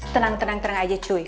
tenang tenang tenang aja cuy